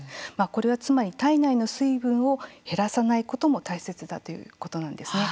これはつまり、体内の水分を減らさないことも大切だということなんですね。